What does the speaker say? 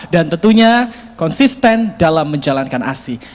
dan tentunya konsisten dalam menjalankan aksi